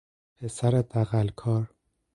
پسر دغلکار